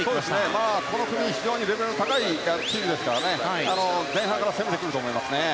この組レベルの高い組ですから前半から攻めてくると思います。